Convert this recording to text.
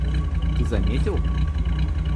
Ты заметил?...